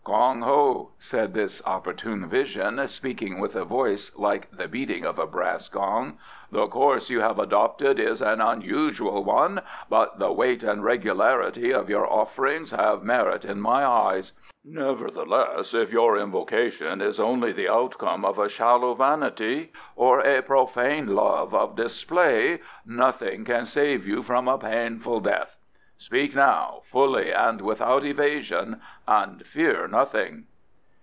"Kong Ho," said this opportune vision, speaking with a voice like the beating of a brass gong, "the course you have adopted is an unusual one, but the weight and regularity of your offerings have merit in my eyes. Nevertheless, if your invocation is only the outcome of a shallow vanity or a profane love of display, nothing can save you from a painful death. Speak now, fully and without evasion, and fear nothing."